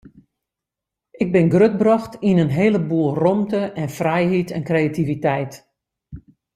Ik bin grutbrocht yn in hele boel rûmte en frijheid en kreativiteit.